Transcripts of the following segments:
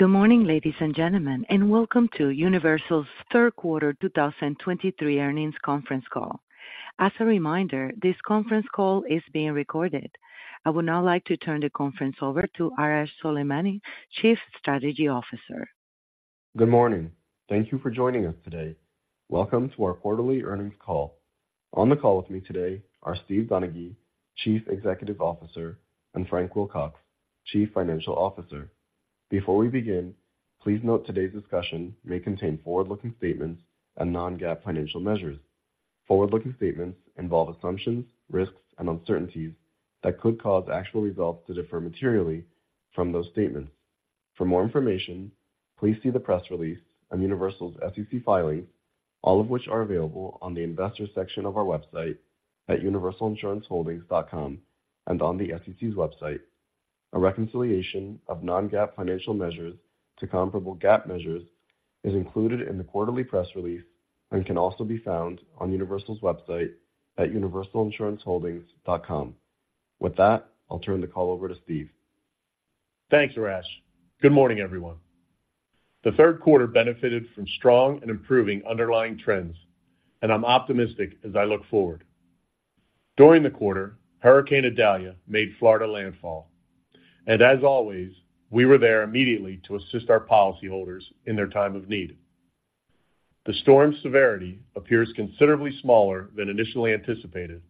Good morning, ladies and gentlemen, and welcome to Universal's Q3 2023 earnings conference call. As a reminder, this conference call is being recorded. I would now like to turn the conference over to Arash Soleimani, Chief Strategy Officer. Good morning. Thank you for joining us today. Welcome to our quarterly earnings call. On the call with me today are Steve Donaghy, CEO, and Frank Wilcox, CFO. Before we begin, please note today's discussion may contain forward-looking statements and non-GAAP financial measures. Forward-looking statements involve assumptions, risks, and uncertainties that could cause actual results to differ materially from those statements. For more information, please see the press release on Universal's SEC filings, all of which are available on the investor section of our website at universalinsuranceholdings.com and on the SEC's website. A reconciliation of non-GAAP financial measures to comparable GAAP measures is included in the quarterly press release and can also be found on Universal's website at universalinsuranceholdings.com. With that, I'll turn the call over to Steve. Thanks, Arash. Good morning, everyone. The Q3 benefited from strong and improving underlying trends, and I'm optimistic as I look forward. During the quarter, Hurricane Idalia made Florida landfall, and as always, we were there immediately to assist our policyholders in their time of need. The storm's severity appears considerably smaller than initially anticipated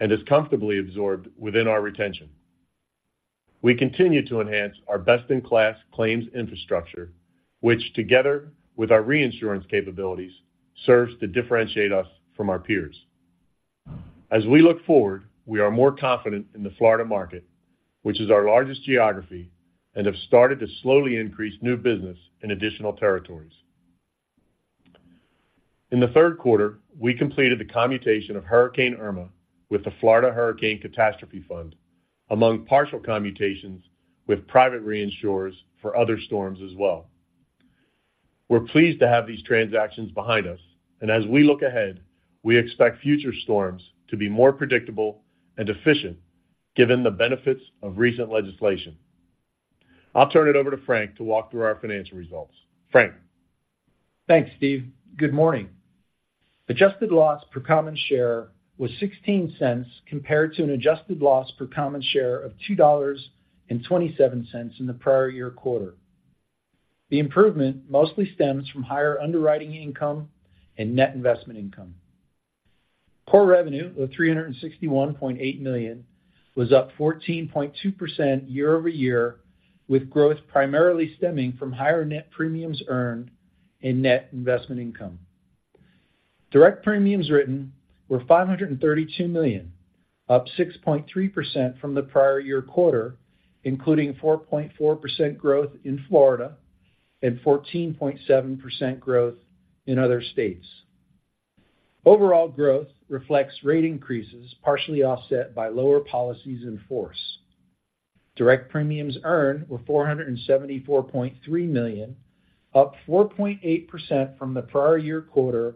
and is comfortably absorbed within our retention. We continue to enhance our best-in-class claims infrastructure, which together with our reinsurance capabilities, serves to differentiate us from our peers. As we look forward, we are more confident in the Florida market, which is our largest geography, and have started to slowly increase new business in additional territories. In the Q3, we completed the commutation of Hurricane Irma with the Florida Hurricane Catastrophe Fund, among partial commutations with private reinsurers for other storms as well. We're pleased to have these transactions behind us, and as we look ahead, we expect future storms to be more predictable and efficient, given the benefits of recent legislation. I'll turn it over to Frank to walk through our financial results. Frank? Thanks, Steve. Good morning. Adjusted loss per common share was $0.16, compared to an adjusted loss per common share of $2.27 in the prior year quarter. The improvement mostly stems from higher underwriting income and net investment income. Core revenue of $361.8 million was up 14.2% year-over-year, with growth primarily stemming from higher net premiums earned in net investment income. Direct premiums written were $532 million, up 6.3% from the prior year quarter, including 4.4% growth in Florida and 14.7% growth in other states. Overall growth reflects rate increases, partially offset by lower policies in force. Direct premiums earned were $474.3 million, up 4.8% from the prior year quarter,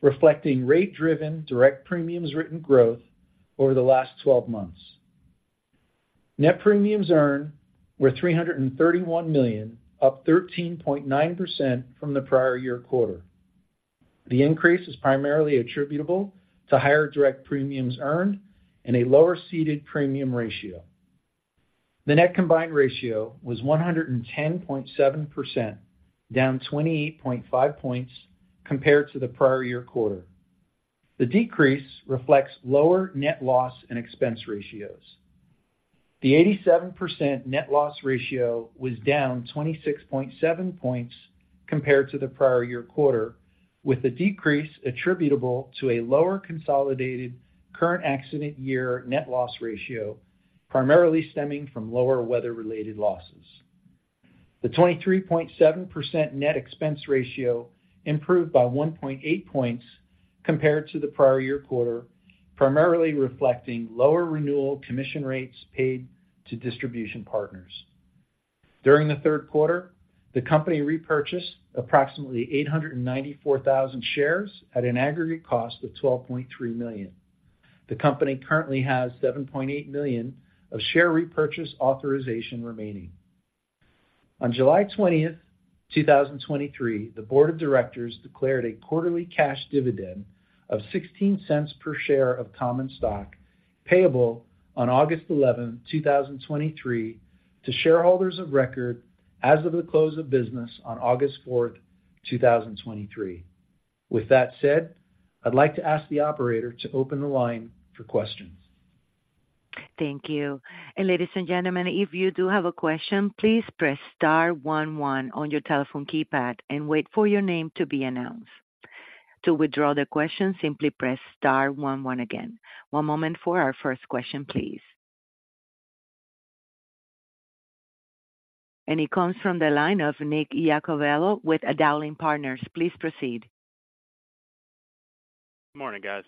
reflecting rate-driven, direct premiums written growth over the last twelve months. Net premiums earned were $331 million, up 13.9% from the prior year quarter. The increase is primarily attributable to higher direct premiums earned and a lower ceded premium ratio. The net combined ratio was 110.7%, down 28.5 points compared to the prior year quarter. The decrease reflects lower net loss and expense ratios. The 87% net loss ratio was down 26.7 points compared to the prior year quarter, with the decrease attributable to a lower consolidated current accident year net loss ratio, primarily stemming from lower weather-related losses. The 23.7% net expense ratio improved by 1.8 points compared to the prior year quarter, primarily reflecting lower renewal commission rates paid to distribution partners. During the Q3, the company repurchased approximately 894,000 shares at an aggregate cost of $12.3 million. The company currently has $7.8 million of share repurchase authorization remaining. On July 20, 2023, the board of directors declared a quarterly cash dividend of $0.16 per share of common stock, payable on August 11, 2023, to shareholders of record as of the close of business on August 4, 2023. With that said, I'd like to ask the operator to open the line for questions. Thank you. Ladies and gentlemen, if you do have a question, please press star one one on your telephone keypad and wait for your name to be announced. To withdraw the question, simply press star one one again. One moment for our first question, please. It comes from the line Nick Iacoviello with Dowling & Partners. Please proceed. Good morning, guys.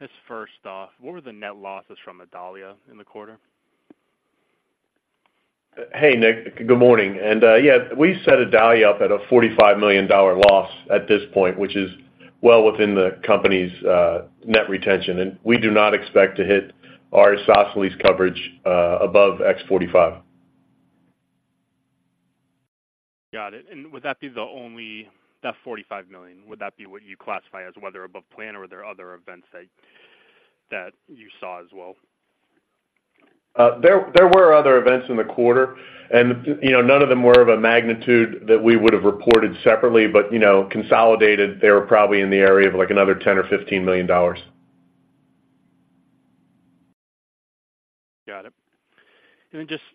Just first off, what were the net losses from Idalia in the quarter? Hey, Nick. Good morning. Yeah, we set Idalia up at a $45 million loss at this point, which is well within the company's net retention, and we do not expect to hit our excess loss coverage above $45. Got it. And would that be the only—that $45 million, would that be what you classify as weather above plan or are there other events that, that you saw as well? There were other events in the quarter, and, you know, none of them were of a magnitude that we would have reported separately, but, you know, consolidated, they were probably in the area of, like, another $10 million-$15 million. Got it. And then just,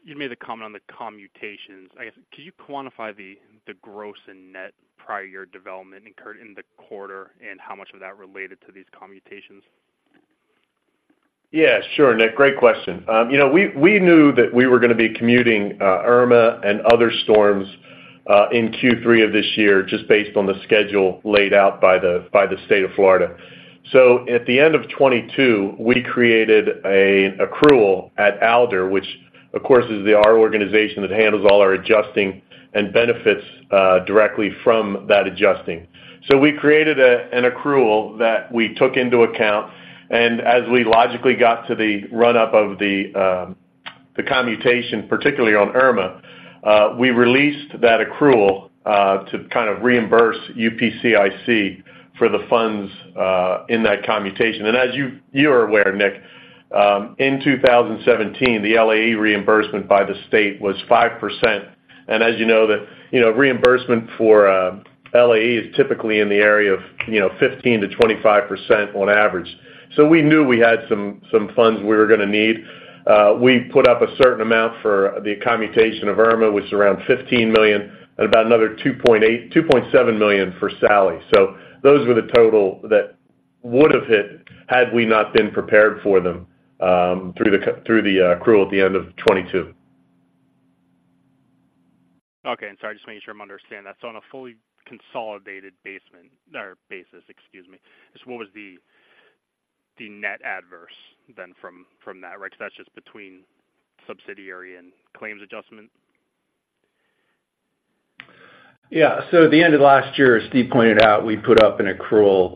you made a comment on the commutations. I guess, could you quantify the gross and net prior year development incurred in the quarter, and how much of that related to these commutations? Yeah, sure, Nick, great question. You know, we knew that we were going to be commuting Irma and other storms in Q3 of this year, just based on the schedule laid out by the state of Florida. So at the end of 2022, we created an accrual at Alder, which, of course, is our organization that handles all our adjusting and benefits directly from that adjusting. So we created an accrual that we took into account, and as we logically got to the run-up of the commutation, particularly on Irma, we released that accrual to kind of reimburse UPCIC for the funds in that commutation. And as you are aware, Nick, in 2017, the LAE reimbursement by the state was 5%. And as you know, you know, reimbursement for LAE is typically in the area of, you know, 15%-25% on average. So we knew we had some funds we were going to need. We put up a certain amount for the commutation of Irma, which is around $15 million, and about another $2.8-2.7 million for Sally. So those were the total that would have hit had we not been prepared for them, through the accrual at the end of 2022. Okay. And sorry, just making sure I'm understanding that. So on a fully consolidated basis, excuse me, so what was the net adverse development from that, right? Because that's just between subsidiary and claims adjustment. Yeah. So at the end of last year, as Steve pointed out, we put up an accrual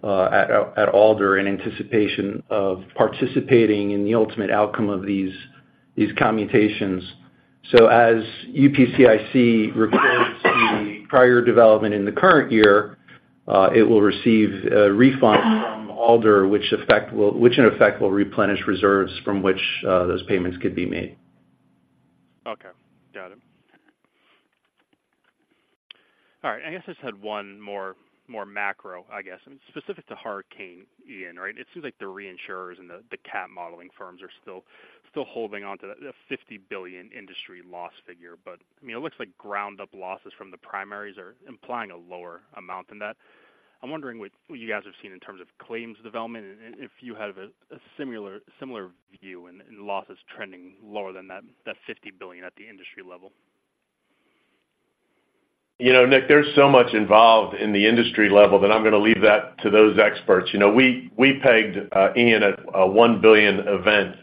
at Alder in anticipation of participating in the ultimate outcome of these commutations. So as UPCIC reports the prior development in the current year, it will receive a refund from Alder, which in effect will replenish reserves from which those payments could be made. Okay. Got it. All right. I guess I just had one more, more macro, I guess, and specific to Hurricane Ian, right? It seems like the reinsurers and the, the cat modeling firms are still, still holding on to the $50 billion industry loss figure. But, I mean, it looks like ground up losses from the primaries are implying a lower amount than that. I'm wondering what you guys have seen in terms of claims development, and if you have a, a similar, similar view in, in losses trending lower than that, that $50 billion at the industry level. You know, Nick, there's so much involved in the industry level that I'm going to leave that to those experts. You know, we pegged Ian at a $1 billion event,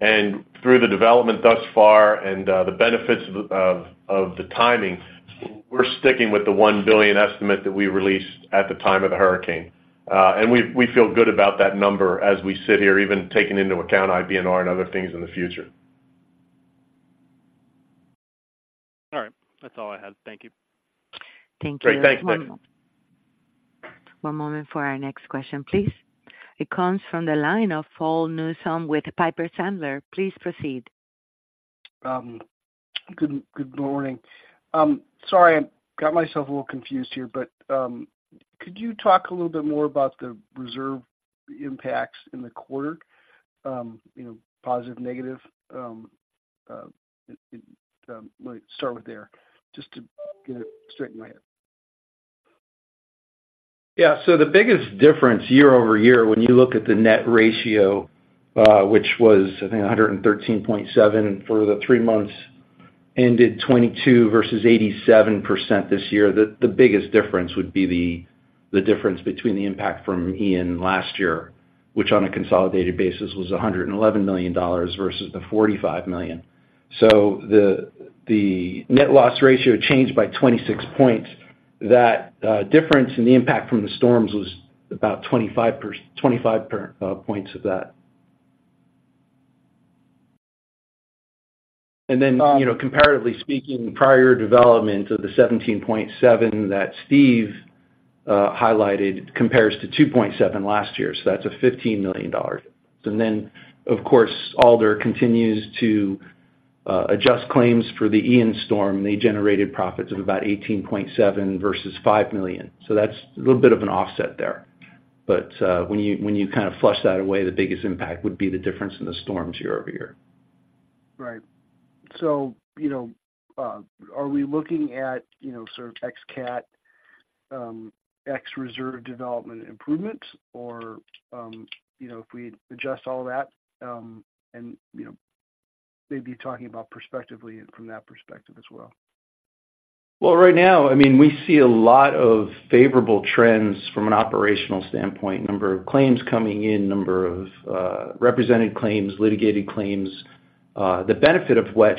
and through the development thus far and the benefits of the timing, we're sticking with the $1 billion estimate that we released at the time of the hurricane. And we feel good about that number as we sit here, even taking into account IBNR and other things in the future. All right. That's all I had. Thank you. Thank you. Great. Thanks, Nick. One moment for our next question, please. It comes from the line of Paul Newsome with Piper Sandler. Please proceed. Good, good morning. Sorry, I got myself a little confused here, but could you talk a little bit more about the reserve impacts in the quarter? You know, positive, negative, let me start with there, just to get it straight in my head. Yeah. So the biggest difference year-over-year, when you look at the net ratio, which was, I think, 113.7 for the three months ended 2022 versus 87% this year. The biggest difference would be the difference between the impact from Ian last year, which on a consolidated basis was $111 million versus the $45 million. So the net loss ratio changed by 26 points. That difference in the impact from the storms was about 25 points of that. And then, you know, comparatively speaking, prior development of the 17.7 that Steve highlighted compares to 2.7 last year, so that's $15 million. And then, of course, Alder continues to adjust claims for the Ian storm. They generated profits of about $18.7 million versus $5 million. So that's a little bit of an offset there. But when you, when you kind of flush that away, the biggest impact would be the difference in the storms year-over-year. Right. So, you know, are we looking at, you know, sort of ex CAT, ex reserve development improvements? Or, you know, if we adjust all that, and, you know, maybe talking about prospectively from that perspective as well? Well, right now, I mean, we see a lot of favorable trends from an operational standpoint. Number of claims coming in, number of represented claims, litigated claims.... the benefit of which,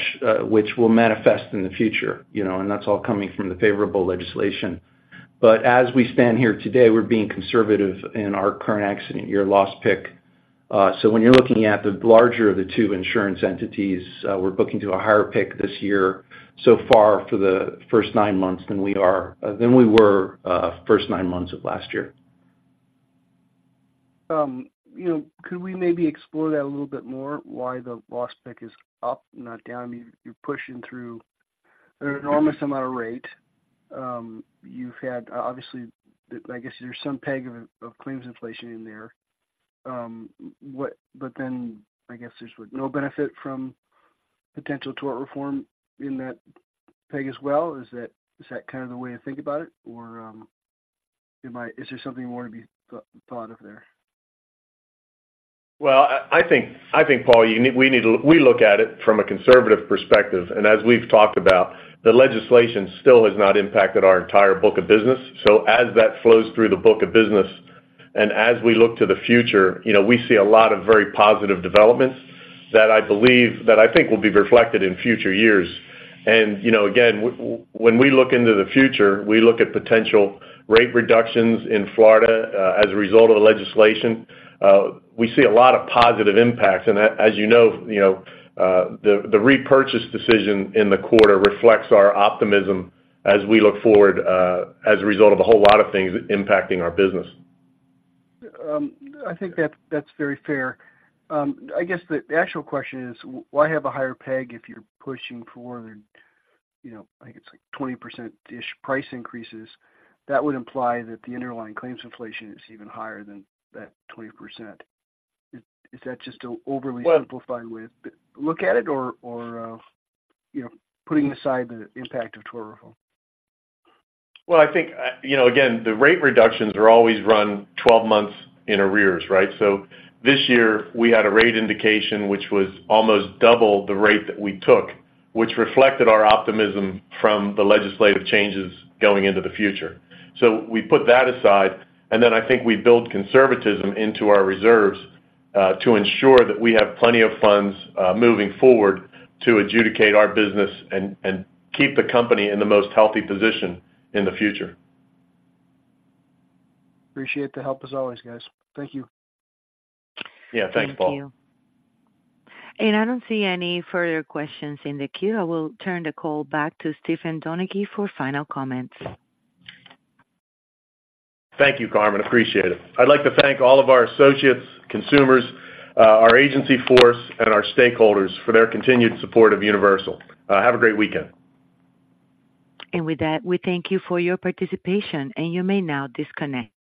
which will manifest in the future, you know, and that's all coming from the favorable legislation. But as we stand here today, we're being conservative in our current accident year loss pick. So when you're looking at the larger of the two insurance entities, we're booking to a higher pick this year so far for the first nine months than we were, first nine months of last year. You know, could we maybe explore that a little bit more, why the loss pick is up, not down? You're pushing through an enormous amount of rate. You've had, obviously, I guess there's some peg of claims inflation in there. But then, I guess there's no benefit from potential tort reform in that peg as well. Is that kind of the way to think about it? Or, is there something more to be thought of there? Well, I think, Paul, we need to look at it from a conservative perspective, and as we've talked about, the legislation still has not impacted our entire book of business. So as that flows through the book of business, and as we look to the future, you know, we see a lot of very positive developments that I believe that I think will be reflected in future years. And, you know, again, when we look into the future, we look at potential rate reductions in Florida as a result of the legislation. We see a lot of positive impacts, and as you know, you know, the repurchase decision in the quarter reflects our optimism as we look forward as a result of a whole lot of things impacting our business. I think that's very fair. I guess the actual question is, why have a higher peg if you're pushing for, you know, I think it's like 20%-ish price increases? That would imply that the underlying claims inflation is even higher than that 20%. Is that just an overly simplified way to look at it, or, you know, putting aside the impact of tort reform? Well, I think, you know, again, the rate reductions are always run 12 months in arrears, right? So this year, we had a rate indication, which was almost double the rate that we took, which reflected our optimism from the legislative changes going into the future. So we put that aside, and then I think we build conservatism into our reserves, to ensure that we have plenty of funds, moving forward to adjudicate our business and, and keep the company in the most healthy position in the future. Appreciate the help as always, guys. Thank you. Yeah, thanks, Paul. Thank you. I don't see any further questions in the queue. I will turn the call back to Stephen Donaghy for final comments. Thank you, Carmen. Appreciate it. I'd like to thank all of our associates, consumers, our agency force, and our stakeholders for their continued support of Universal. Have a great weekend. With that, we thank you for your participation, and you may now disconnect.